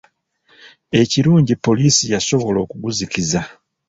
Ekirungi poliisi yasobola okuguzikiza.